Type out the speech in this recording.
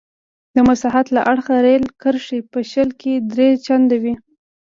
د مساحت له اړخه رېل کرښې په شل کې درې چنده وې.